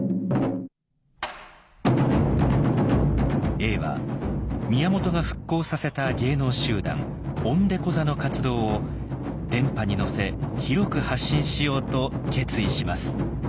永は宮本が復興させた芸能集団鬼太鼓座の活動を電波に乗せ広く発信しようと決意します。